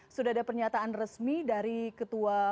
sudah ada pernyataan resmi dari ketua